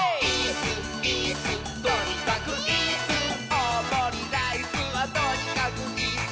「おおもりライスはとにかくイス！」